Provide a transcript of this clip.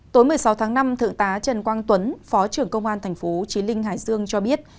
tối một mươi sáu tháng năm thượng tá trần quang tuấn phó trưởng công an tp chí linh hải dương cho biết